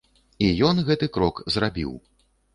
І ён гэты крок зрабіў.